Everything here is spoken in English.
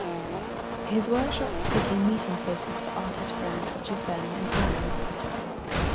His workshops become meeting places for artist friends such as Ben and Arman.